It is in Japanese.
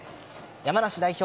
山梨代表